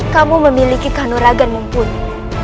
kamu memiliki kanuragan mumpuni